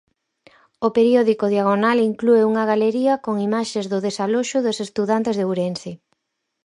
O periódico Diagonal inclúe unha galería con imaxes do desaloxo dos estudantes de Ourense.